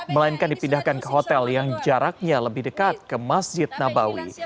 melainkan dipindahkan ke hotel yang jaraknya lebih dekat ke masjid nabawi